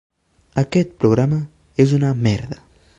Aquest programa és una merda.